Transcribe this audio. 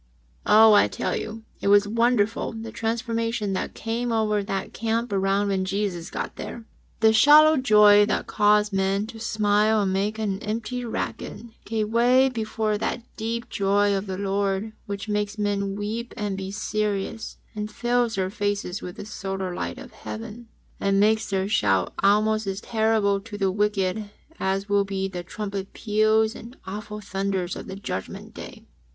Oh, I tell you, it was wonderful the transformation that came over that camp ground when Jesus got there 1 The shallow joy that caused men to smile and make an empty racket, gave way before that deep joy of the Lord which makes men weep and be serious and fills their faces with the solar light of Heaven, and makes their shout almost as terrible to the wicked as will be the trumpet peals and awful thunders of the Judgment Day.